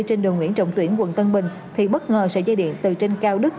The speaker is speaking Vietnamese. trên đường nguyễn trọng tuyển quận tân bình thì bất ngờ sợi dây điện từ trên cao đức